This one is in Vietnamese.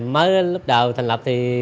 mới lúc đầu thành lập